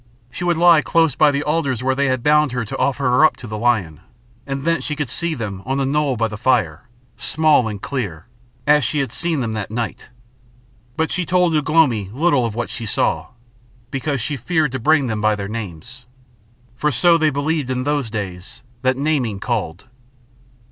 She would lie close by the alders where they had bound her to offer her up to the lion, and thence she could see them on the knoll by the fire, small and clear, as she had seen them that night. But she told Ugh lomi little of what she saw, because she feared to bring them by their names. For so they believed in those days, that naming called.